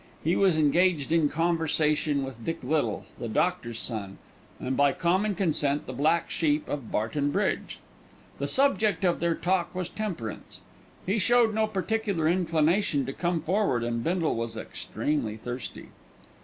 He was engaged in conversation with Dick Little, the doctor's son, and by common consent the black sheep of Barton Bridge. The subject of their talk was temperance. He showed no particular inclination to come forward, and Bindle was extremely thirsty.